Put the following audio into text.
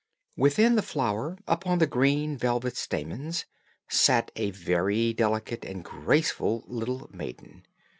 Within the flower, upon the green velvet stamens, sat a very delicate and graceful little maiden.